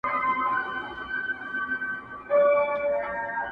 عزیز دي راسي د خپلوانو شنه باغونه سوځي؛